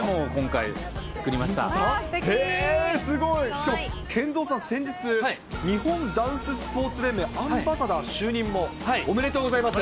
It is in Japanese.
しかも、ＫＥＮＺＯさん、先日、日本ダンススポーツ連盟アンバサダー就任もおめでとうございます。